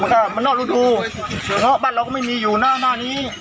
มันก็มันนอกรูดูเนอะบ้านเราก็ไม่มีอยู่น่ะหน้านี้